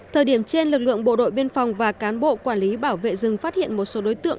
thời điểm trên lực lượng bộ đội biên phòng và cán bộ quản lý bảo vệ rừng phát hiện một số đối tượng